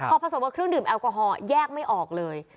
พอผสมกับเครื่องดื่มแอลกอฮอลแยกไม่ออกเลย